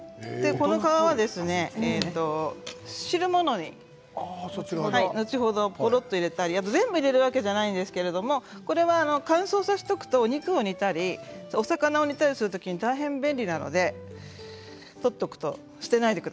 皮は汁物に後ほどごろっと入れたり全部入れるわけではないんですけれども乾燥させておくと肉を煮たりお魚を煮たりする時に大変便利なので取っておくといいです。